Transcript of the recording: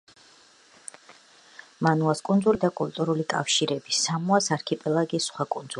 მანუას კუნძულებს აქვთ მჭიდრო ისტორიული და კულტურული კავშირები სამოას არქიპელაგის სხვა კუნძულებთან.